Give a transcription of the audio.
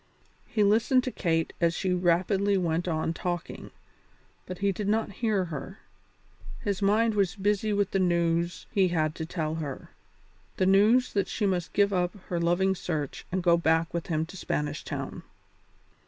He listened to Kate as she rapidly went on talking, but he did not hear her; his mind was busy with the news he had to tell her the news that she must give up her loving search and go back with him to Spanish Town.